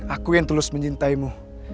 aku yang tulus mencintaimu